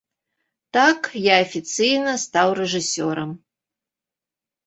Так я афіцыйна стаў рэжысёрам.